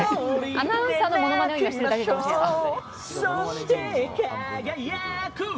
アナウンサーのものまねを今、しているだけかもしれません。